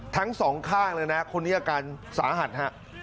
ทั้งสองข้างเลยนะคนนี้อาการสาหัสฮะ